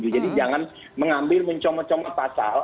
jadi jangan mengambil mencomot comot pasal